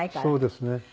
そうですね。